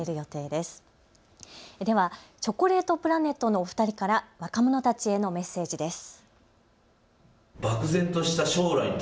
ではチョコレートプラネットの２人から若者たちへのメッセージです。